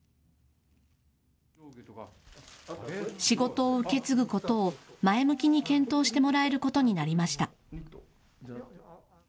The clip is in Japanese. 仕事を受け継ぐことを前向きに検討してもらえることになりました。